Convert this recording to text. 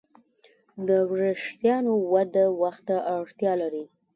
د وېښتیانو وده وخت ته اړتیا لري.